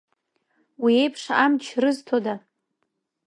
Уи еиԥш амч рызҭода?